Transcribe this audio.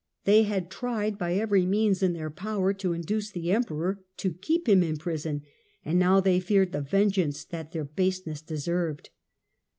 They had tried by every means in their power to induce the emperor to keep him in prison, and now they feared the vengeance that their baseness deserved.